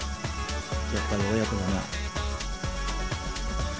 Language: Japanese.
〔やっぱり親子だな〕